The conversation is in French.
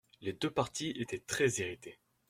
Les deux partis étaient très-irrités.